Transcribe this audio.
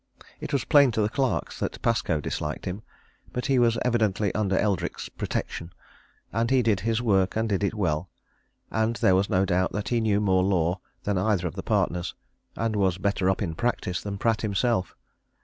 It was plain to the clerks that Pascoe disliked him. But he was evidently under Eldrick's protection, and he did his work and did it well, and there was no doubt that he knew more law than either of the partners, and was better up in practice than Pratt himself.